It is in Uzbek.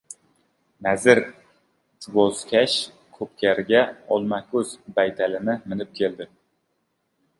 Nazir juvozkash ko‘pkariga Olmako‘z baytalini minib keldi.